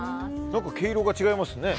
何か毛色が違いますね。